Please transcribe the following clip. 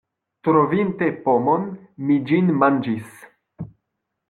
Trovinte pomon, mi ĝin manĝis.